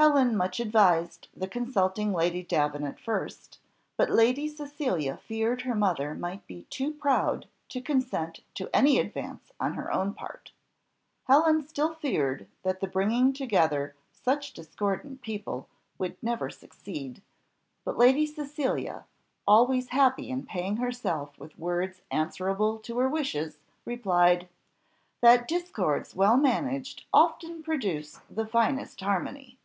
Helen much advised the consulting Lady Davenant first; but Lady Cecilia feared her mother might be too proud to consent to any advance on her own part. Helen still feared that the bringing together such discordant people would never succeed, but Lady Cecilia, always happy in paying herself with words answerable to her wishes, replied, "that discords well managed often produced the finest harmony."